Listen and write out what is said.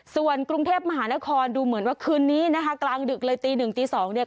ส่วนกรุงเทพมหานครดูเหมือนว่าคืนนี้นะคะกลางดึกเลยตีหนึ่งตีสองเนี่ย